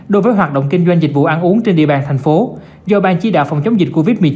đối với hoạt động kinh doanh dịch vụ ăn uống trên địa bàn thành phố do ban chỉ đạo phòng chống dịch covid một mươi chín